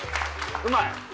うまい？